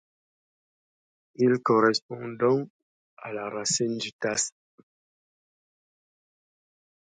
Il correspond donc à la racine du tas.